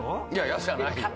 嫌じゃないよ。